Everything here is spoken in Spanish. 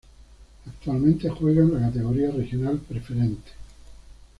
Actualmente juega en la categoría Regional Preferente.